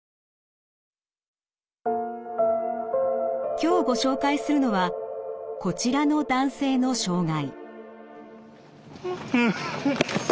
今日ご紹介するのはこちらの男性の障害。